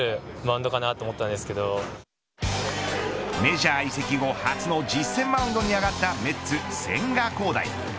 メジャー移籍後、初の実戦マウンドに上がったメッツ千賀滉大。